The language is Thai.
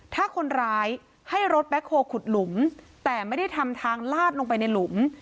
ถ้าคนร้ายให้รถแบ็คโฮลขุดหลุมแต่ไม่ได้ทำทางลาดลงไปในหลุม